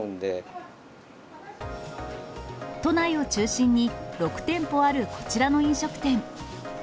都内を中心に、６店舗あるこちらの飲食店。